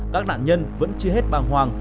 các nạn nhân vẫn chưa hết băng hoàng